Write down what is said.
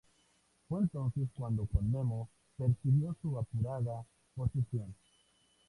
Fue entonces cuando Comneno percibió su apurada posición.